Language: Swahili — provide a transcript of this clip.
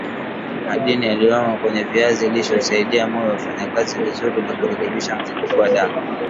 Madini yaliyomo kwenye viazi lishe husaidia moyo kufanyakazi vizuri na kurekebisha mzunguko wa damu